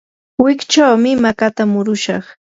wikchawmi makata murushaq.